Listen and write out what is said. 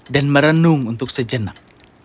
dan merenung untuk sejenak